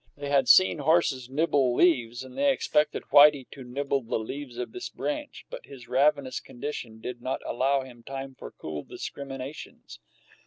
They had seen horses nibble leaves, and they expected Whitey to nibble the leaves of this branch, but his ravenous condition did not allow him time for cool discriminations.